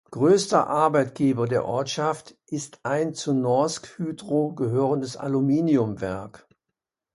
Größter Arbeitgeber der Ortschaft ist ein zu Norsk Hydro gehörendes Aluminiumwerk.